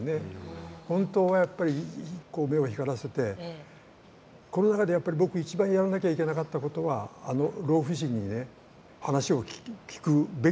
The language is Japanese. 本当はやっぱり目を光らせてこの中でやっぱり僕一番やらなきゃいけなかったことはあの老婦人にね話を聞くべきだったと思うんですよ。